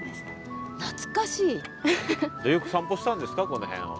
この辺を。